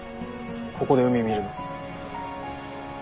ここで海見るの。